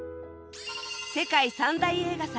世界三大映画祭